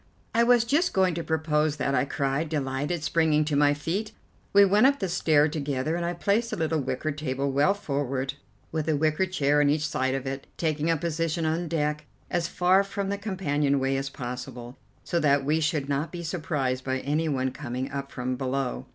"I was just going to propose that," I cried, delighted, springing to my feet. We went up the stair together and I placed a little wicker table well forward, with a wicker chair on each side of it, taking a position on deck as far from the companion way as possible, so that we should not be surprised by any one coming up from below.